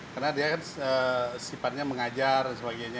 karena dia kan sifatnya mengajar dan sebagainya